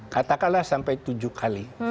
katakanlah sampai tujuh kali